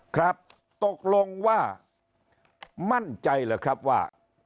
ครับตกลงว่ามั่นใจเหรอครับว่า